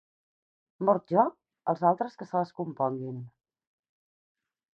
Mort jo, els altres que se les componguin.